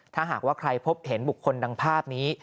ถ้าหากว่าใครพบเห็นบุคคลดังภาพนี้